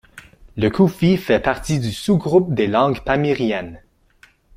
Le khufi fait partie du sous-groupe des langues pamiriennes.